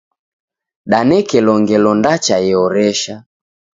Danekelo ngelo ndacha ehoresha.